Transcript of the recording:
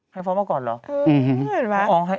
แคมพล็อกมาก่อนเหรออื้อฮือเห็นไหม